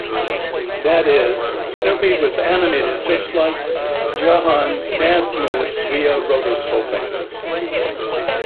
That is, Snoopy was animated just like Jahan's dance moves via rotoscoping.